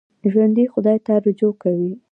ژوندي خدای ته رجوع کوي